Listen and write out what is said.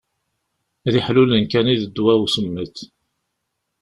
D iḥlulen kan i d ddwa n usemmiḍ.